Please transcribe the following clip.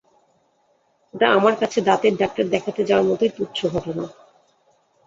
ওটা আমার কাছে দাঁতের ডাক্তার দেখাতে যাওয়ার মতোই তুচ্ছ ঘটনা।